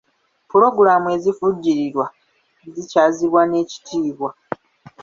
Pulogulaamu ezivujjirirwa zikyazibwa n'ekitiibwa.